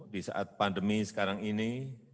di saat pandemi sekarang ini